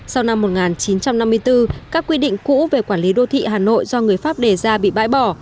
sau năm một nghìn chín trăm năm mươi bốn các quy định cũ về quản lý đô thị hà nội do người pháp đề ra bị bãi bỏ